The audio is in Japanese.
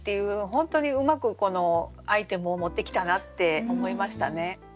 本当にうまくこのアイテムを持ってきたなって思いましたね。